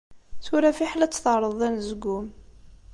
Tura fiḥel ad tt-terreḍ d anezgum.